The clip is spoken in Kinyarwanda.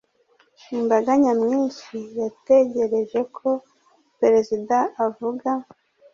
Imbaga nyamwinshi yategereje ko perezida avuga.